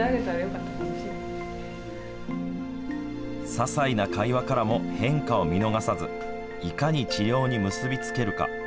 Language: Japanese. ささいな会話からも変化を見逃さずいかに治療に結び付けるか。